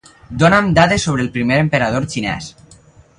Dona'm dades sobre el primer emperador xinès.